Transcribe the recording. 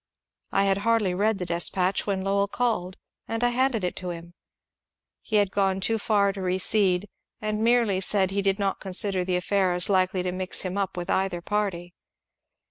I had hardly read the despatch when Lowell called, and I handed it to him. He had gone too far to recede, and merely said he did not consider the afihir as likely to mix him up with either party.